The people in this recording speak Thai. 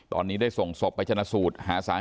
ตอนนี้ได้ส่งศพไปชนะสูตร